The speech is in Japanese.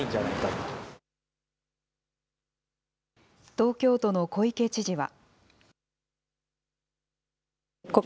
東京都の小池知事は。